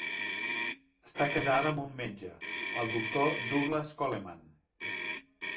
Està casada amb un metge, el doctor Douglas Coleman.